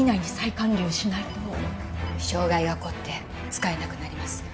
障害が起こって使えなくなります。